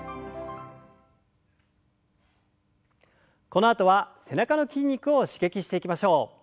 このあとは背中の筋肉を刺激していきましょう。